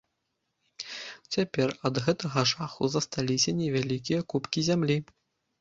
Цяпер ад гэтага жаху засталіся невялікія купкі зямлі.